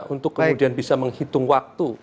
untuk kemudian bisa menghitung waktu